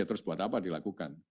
terus buat apa dilakukan